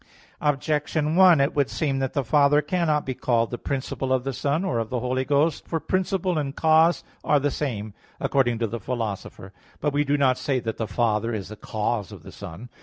Objection 1: It would seem that the Father cannot be called the principle of the Son, or of the Holy Ghost. For principle and cause are the same, according to the Philosopher (Metaph. iv). But we do not say that the Father is the cause of the Son.